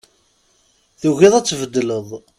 Tugiḍ ad tbeddleḍ.